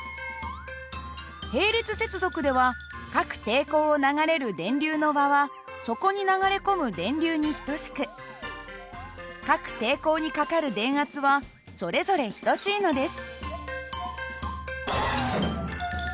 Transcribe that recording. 並列接続では各抵抗を流れる電流の和はそこに流れ込む電流に等しく各抵抗にかかる電圧はそれぞれ等しいのです。